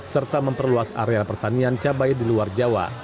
serta memperluas area pertanian cabai di luar jawa